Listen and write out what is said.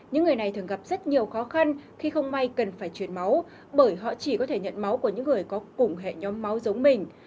những người này thường gặp rất nhiều khó khăn khi không may cần phải chuyển máu bởi họ chỉ có thể nhận máu của những người có cùng hệ nhóm máu giống mình